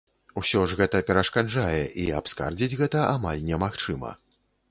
Усё ж гэта перашкаджае, і абскардзіць гэта амаль не магчыма.